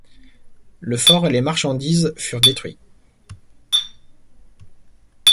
Le fort et les marchandises furent détruits.